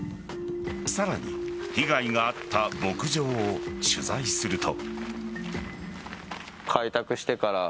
さらに、被害があった牧場を取材すると。